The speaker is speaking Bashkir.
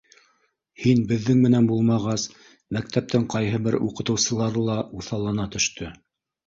Һин беҙҙең менән булмағас, мәктәптең ҡайһы бер уҡытыусылары ла уҫаллана төштө.